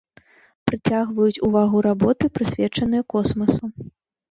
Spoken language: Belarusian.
Прыцягваюць увагу работы, прысвечаныя космасу.